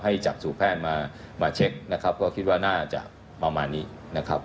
จากสู่แพทย์มามาเช็คนะครับก็คิดว่าน่าจะประมาณนี้นะครับ